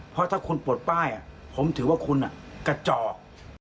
เพราะถ้าคุณปลดป้ายผมถือว่าคุณกระจอก